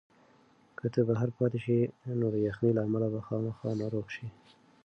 که ته بهر پاتې شې نو د یخنۍ له امله به خامخا ناروغه شې.